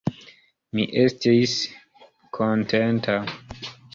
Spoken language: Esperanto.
Mi estis kontenta.